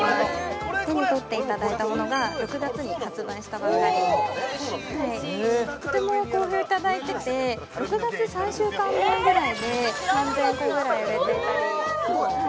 手に取っていただいたものが６月に発売したばかりの最新とても好評いただいてて６月３週間分ぐらいで３０００個ぐらい売れていたりすごい！